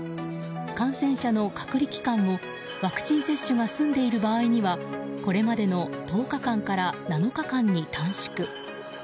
感染者の隔離期間もワクチン接種が済んでいる場合にはこれまでの１０日間から７日間に短縮。